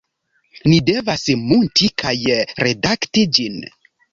Ni devas munti kaj redakti ĝin